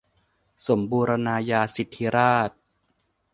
สมบูรณาญาสิทธิราชย์